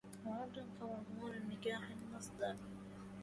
وردا فمضمون نجاح المصدر